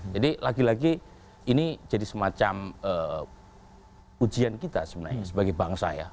jadi lagi lagi ini jadi semacam ujian kita sebenarnya sebagai bangsa ya